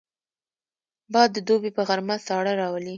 باد د دوبي په غرمه ساړه راولي